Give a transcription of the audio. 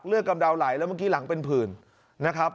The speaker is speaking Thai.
กำเดาไหลแล้วเมื่อกี้หลังเป็นผื่นนะครับ